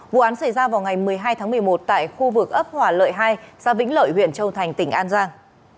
vụ án xảy ra vào ngày một mươi hai tháng một mươi một tại khu vực ấp hòa lợi hai xã vĩnh lợi huyện châu thành tỉnh an giang